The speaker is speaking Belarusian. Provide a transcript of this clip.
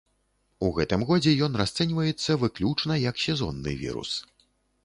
У гэтым годзе ён расцэньваецца выключна як сезонны вірус.